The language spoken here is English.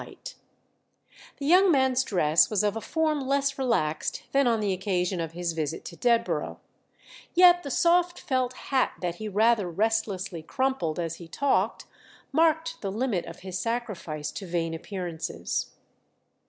The young man's dress was of a form less relaxed than on the occasion of his visit to Dedborough; yet the soft felt hat that he rather restlessly crumpled as he talked marked the limit of his sacrifice to vain appearances.